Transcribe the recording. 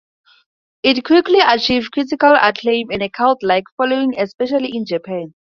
It quickly achieved critical acclaim and a cult-like following, especially in Japan.